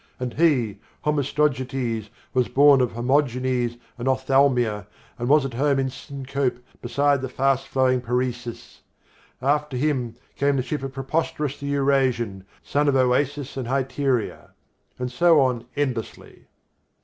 And he, Homistogetes, was born of Hermogenes and Ophthalmia and was at home in Syncope beside the fast flowing Paresis. And after him came the ship of Preposterus the Eurasian, son of Oasis and Hyteria," ... and so on endlessly.